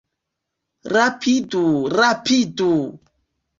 Rapidu, rapidu!